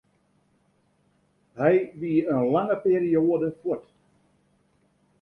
Hy wie in lange perioade fuort.